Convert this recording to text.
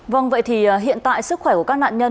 vâng vậy thì hiện tại sức khỏe của các nạn nhân